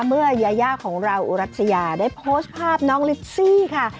เมื่อยายาของเราอุรัชยาได้โพสต์ภาพน้องลิฟซี่ค่ะ